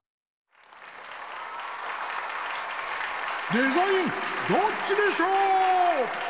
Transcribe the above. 「デザインどっちでショー」！